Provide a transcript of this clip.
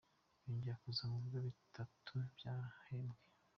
yongera kuza mu bigo bitatu byahembwe.